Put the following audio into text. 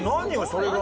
それが。